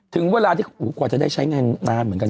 ถึงเวลาที่กว่าจะได้ใช้งานนานเหมือนกัน